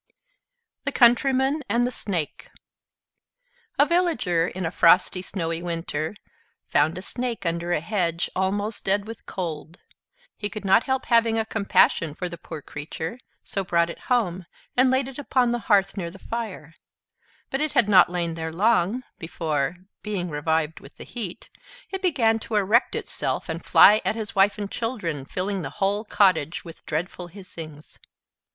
THE COUNTRYMAN AND THE SNAKE A Villager, in a frosty, snowy winter, found a Snake under a hedge, almost dead with cold. He could not help having a compassion for the poor creature, so brought it home, and laid it upon the hearth, near the fire; but it had not lain there long, before (being revived with the heat) it began to erect itself, and fly at his wife and children, filling the whole cottage with dreadful hissings.